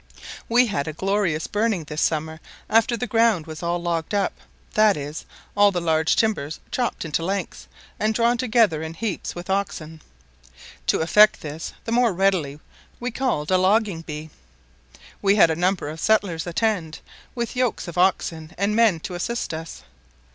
We had a glorious burning this summer after the ground was all logged up; that is, all the large timbers chopped into lengths, and drawn together in heaps with oxen. To effect this the more readily we called a logging bee. We had a number of settlers attend, with yokes of oxen and men to assist us.